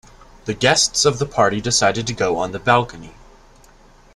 The guests of the party decided to go on the balcony.